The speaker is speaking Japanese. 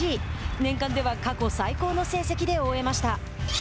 年間では過去最高の成績で終えました。